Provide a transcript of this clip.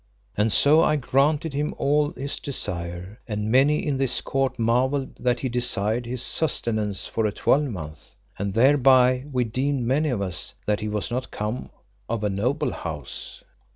And so I granted him all his desire, and many in this court marvelled that he desired his sustenance for a twelvemonth. And thereby, we deemed, many of us, that he was not come of a noble house.